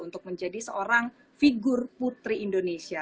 untuk menjadi seorang figur putri indonesia